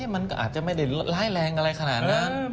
มันก็อาจจะไม่ได้ร้ายแรงอะไรขนาดนั้น